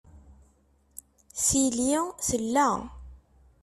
Tili tella.